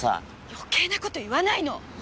余計なこと言わないの！